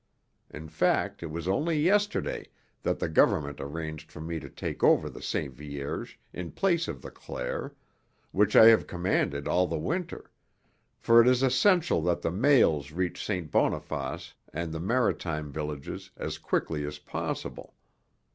In fact it was only yesterday that the government arranged for me to take over the Sainte Vierge in place of the Claire, which I have commanded all the winter, for it is essential that the mails reach St. Boniface and the maritime villages as quickly as possible.